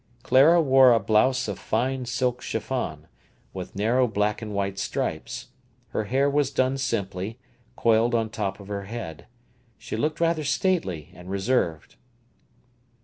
Clara wore a blouse of fine silk chiffon, with narrow black and white stripes; her hair was done simply, coiled on top of her head. She looked rather stately and reserved.